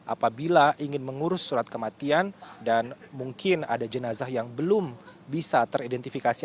apabila ingin mengurus surat kematian dan mungkin ada jenazah yang belum bisa teridentifikasi